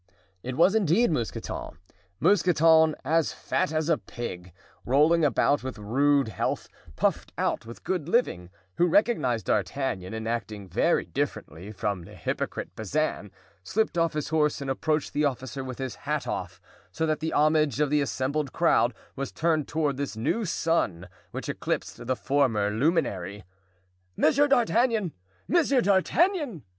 It was indeed Mousqueton—Mousqueton, as fat as a pig, rolling about with rude health, puffed out with good living, who, recognizing D'Artagnan and acting very differently from the hypocrite Bazin, slipped off his horse and approached the officer with his hat off, so that the homage of the assembled crowd was turned toward this new sun, which eclipsed the former luminary. "Monsieur d'Artagnan! Monsieur d'Artagnan!"